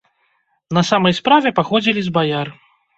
На самай справе паходзілі з баяр.